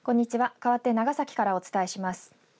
かわって長崎からお伝えします。